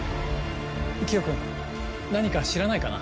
キヨ君何か知らないかな？